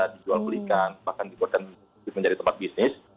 dijual belikan bahkan dibuatkan menjadi tempat bisnis